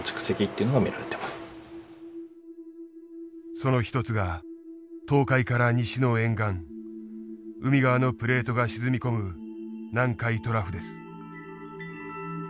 その一つが東海から西の沿岸海側のプレートが沈み込む南海トラフです。